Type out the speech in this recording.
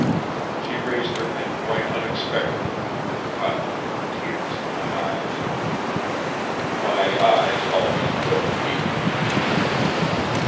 She raised her head quite unexpectedly and caught me with the tears in my eyes. My eyes always were weak.